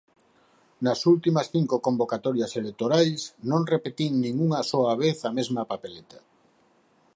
Nas últimas cinco convocatorias electorais non repetín ni unha soa vez a mesma papeleta.